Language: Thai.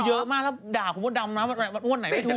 เยอะมากแล้วด่าคุณมดดำนะวันไหนไม่ถูก